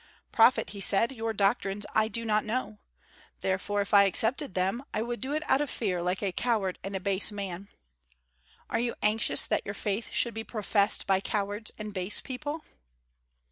"Prophet," he said, "your doctrines I do not know; therefore if I accepted them, I would do it out of fear like a coward and a base man. Are you anxious that your faith should be professed by cowards and base people?"